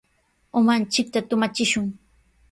Umanchikta tumachishun.